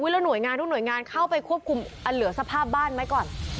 แล้วหน่วยงานทุกหน่วยงานเข้าไปควบคุมเหลือสภาพบ้านไหมก่อน